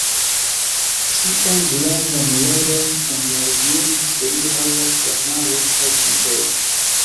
Tial gravan rolon en la regiona historio havas la maro kaj ŝipoj.